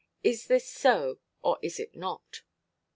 Is this so, or is it not?"